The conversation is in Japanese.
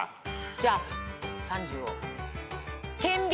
じゃあ３０を。